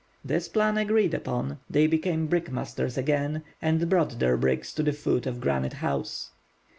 This plan agreed upon, they became brickmakers again, and brought their bricks to the foot of Granite House.